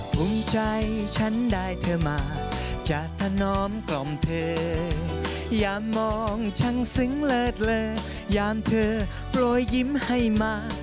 ภูมิใจฉันได้เธอมาจากธนอมกล่อมเธออย่ามองช่างซึ้งเลิศเลอยามเธอโปรยยิ้มให้มา